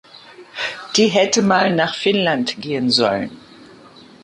Die hätte mal nach Finnland gehen sollen.